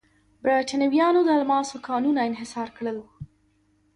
برېټانویانو د الماسو کانونه انحصار کړل.